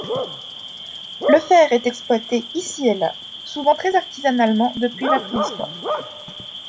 Le fer est exploité ici et là, souvent très artisanalement depuis la préhistoire.